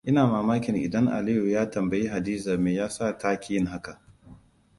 Ina mamakin idan Aliyu ya tambayi Hadiza me yasa ta ƙi yin haka?